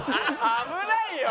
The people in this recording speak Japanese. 危ないよ。